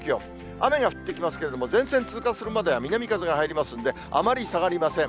雨が降ってきますけれども、前線通過するまでは南風が入りますんで、あまり下がりません。